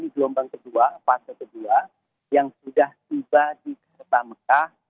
gelombang pertama pasca ke dua yang sudah tiba di kota mekah